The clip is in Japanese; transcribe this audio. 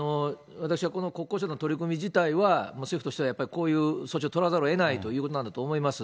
私はこの国交省の取り組み自体は、政府としてはやっぱり、こういう措置を取らざるをえないということなんだと思います。